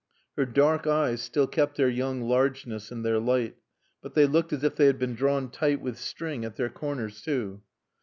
Her dark eyes still kept their young largeness and their light, but they looked as if they had been drawn tight with string at their corners too.